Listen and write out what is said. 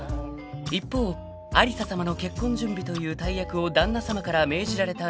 ［一方有沙さまの結婚準備という大役を旦那さまから命じられた美保子さま］